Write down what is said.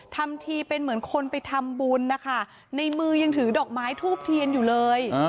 ทำทีเป็นเหมือนคนไปทำบุญนะคะในมือยังถือดอกไม้ทูบเทียนอยู่เลย